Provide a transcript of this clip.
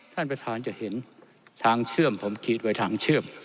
ท่านประธานจะเห็นทางเชื่อมผมคิดไว้ทางเชื่อม